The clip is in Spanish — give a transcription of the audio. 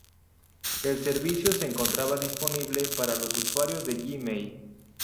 El servicio se encontraba disponible para los usuarios de Gmail.